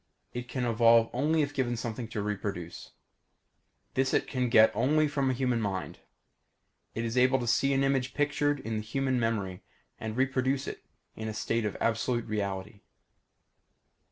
It can evolve only if given something to reproduce. This it can get only from a human mind. It is able to see an image pictured in the human memory and reproduce it in a state of absolute reality.